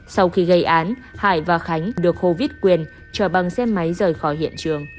sau khi gây án hải và khánh được hô viết quyền chờ băng xe máy rời khỏi hiện trường